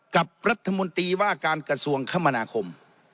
กับรัฐมนตรีว่าการกระทรวงคมนาคม